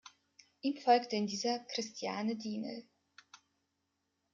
Ihm folgte in dieser Christiane Dienel.